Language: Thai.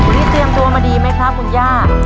วันนี้เตรียมตัวมาดีไหมครับคุณย่า